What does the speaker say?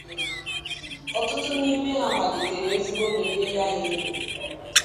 ọtụtụ n'ime ha malitere ozigbo mebe ya emebe